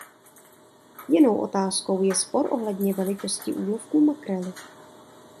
Jinou otázkou je spor ohledně velikosti úlovků makrely.